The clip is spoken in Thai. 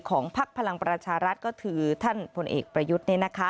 ของภักดิ์พลังประราชารัฐก็ถือท่านพลเอกประยุทธ์